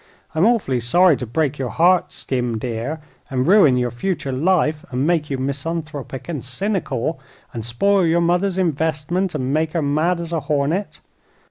"I'm awfully sorry to break your heart, Skim, dear, and ruin your future life, and make you misanthropic and cynical, and spoil your mother's investment and make her mad as a hornet.